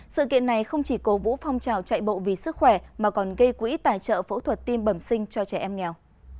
sự kiện này không chỉ cố vũ phong trào chạy bộ vì sức khỏe mà còn gây quỹ tài trợ phẫu thuật tim bẩm sinh cho trẻ em nghèo